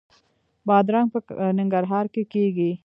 بادرنګ په ننګرهار کې کیږي